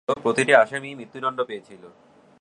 মূলত, প্রতিটি আসামি মৃত্যুদণ্ড পেয়েছিল।